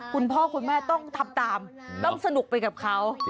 คุณพ่อคุณแม่ต้องทำตามต้องสนุกไปกับเขา